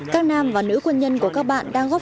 các nam và nữ quân nhân của các bạn đang góp